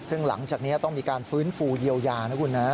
ซึ่งหลังจากนี้ต้องมีการฟื้นฟูเยียวยานะคุณนะ